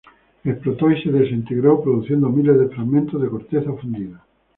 Explotó y se desintegró produciendo miles de fragmentos de corteza fundida.